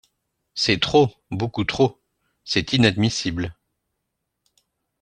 C’est trop, beaucoup trop, c’est inadmissible.